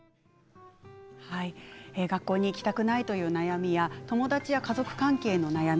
学校に行きたくないという悩みや友達や家族関係の悩み